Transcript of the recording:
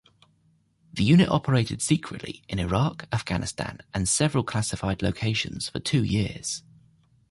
The unit operated secretly in Iraq, Afghanistan and several classified locations for two years.